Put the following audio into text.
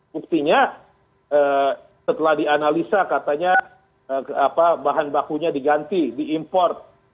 buktinya setelah dianalisa katanya bahan bakunya diganti diimport